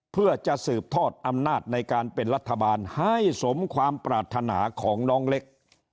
เพื่อจะสืบทอดอำนาจในการเป็นรัฐบาลให้สมความปรารถนาของน้องเล็ก